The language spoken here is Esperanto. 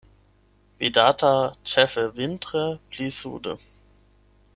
Vidata ĉefe vintre pli sude.